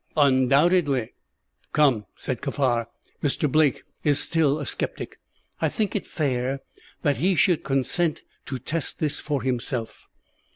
"Undoubtedly." "Come," said Kaffar, "Mr. Blake is still a sceptic. I think it fair that he should consent to test this for himself."